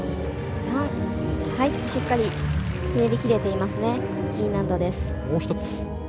しっかりひねりきれていますね、Ｅ難度。